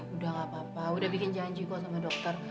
udah gak apa apa udah bikin janji kok sama dokter